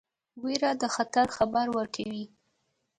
ویره د خطر خبر ورکوي.